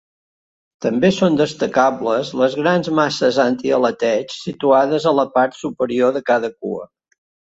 També són destacables les grans masses antialeteig situades a la part superior de cada cua.